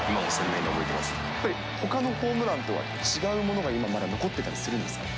やっぱりほかのホームランとは、違うものが今まだ残ってたりするんですか。